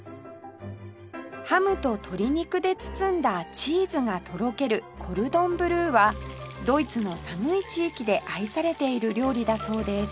ハムと鶏肉で包んだチーズがとろけるコルドンブルーはドイツの寒い地域で愛されている料理だそうです